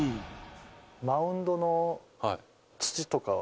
マウンドの土とかは？